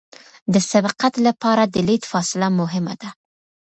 د سبقت لپاره د لید فاصله مهمه ده